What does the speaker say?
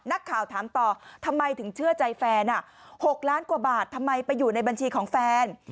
นักข่าวถามต่อทำไมถึงเชื่อใจแฟน๖ล้านกว่าบาททำไมไปอยู่ในบัญชีของแฟน